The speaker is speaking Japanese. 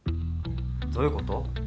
どういうこと？